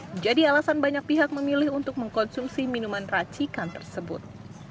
menjadi alasan banyak pihak memilih untuk mengkonsumsi minuman racikan tersebut